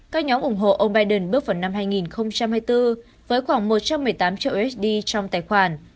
các nhóm ủng hộ ông biden bước vào năm hai nghìn hai mươi bốn với khoảng một trăm một mươi tám triệu usd trong tài khoản